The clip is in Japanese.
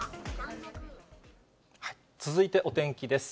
続いてお天気です。